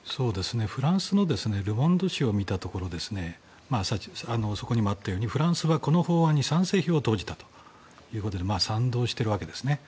フランスのル・モンド紙を見たところそこにもあったようにフランスはこの法案に賛成票を投じたということで賛同しているわけですね。